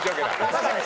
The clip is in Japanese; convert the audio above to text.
確かに。